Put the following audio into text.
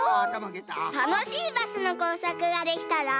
たのしいバスのこうさくができたら。